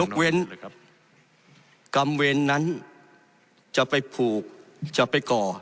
กรรมเวรนั้นจะไปผูกจะไปก่อ